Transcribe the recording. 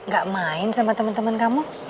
gak main sama temen temen kamu